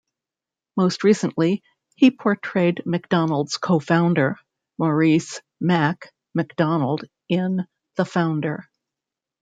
Most recently, he portrayed McDonald's co-founder Maurice "Mac" McDonald in "The Founder".